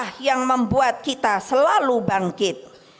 kesetiaan itulah yang membuat kita selalu bangkit